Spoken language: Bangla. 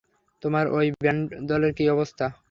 তোমার ঔই ব্যান্ড দলের কী অবস্থা?